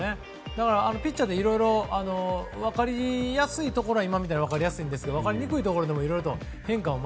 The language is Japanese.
だからピッチャーでいろいろ分かりやすいところは今みたいなのは分かりやすいんですけど分かりにくいところにもいろいろと変化を。